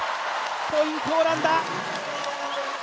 ポイント、オランダ。